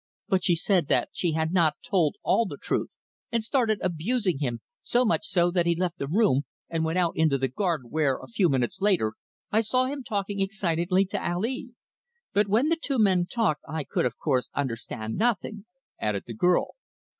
But she said that she had not told all the truth, and started abusing him so much so that he left the room and went out into the garden, where, a few minutes later, I saw him talking excitedly to Ali. But when the two men talked I could, of course, understand nothing," added the girl.